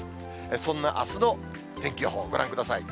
そんなあすの天気予報、ご覧ください。